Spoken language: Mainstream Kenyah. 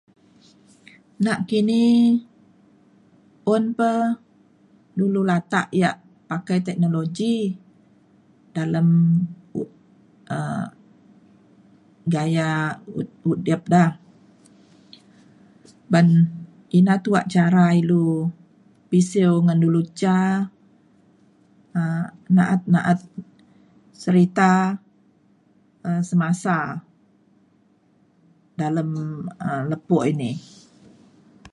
nakini un pa dulu latak yak pakai teknologi dalem u- um gayak u- udip da. ban ina tuak cara ilu pisiu ngan dulu ca um na’at na’at serita um semasa dalem um lepo ini.